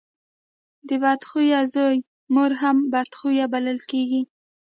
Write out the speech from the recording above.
د بد خويه زوی مور هم بد خويه بلل کېږي.